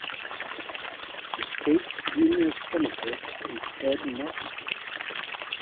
The state's junior Senator is Ed Markey.